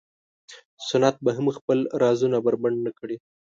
سنت به هم خپل رازونه بربنډ نه کړي.